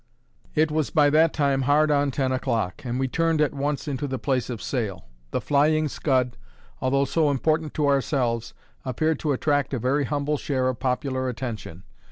It was by that time hard on ten o'clock, and we turned at once into the place of sale. The Flying Scud, although so important to ourselves, appeared to attract a very humble share of popular attention.